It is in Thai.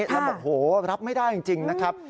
แล้วบอกโหรับไม่ได้จริงนะครับ